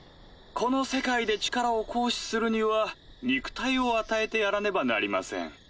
この世界で力を行使するには肉体を与えてやらねばなりません。